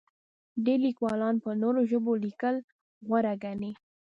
ډېری لیکوالان په نورو ژبو لیکل غوره ګڼي.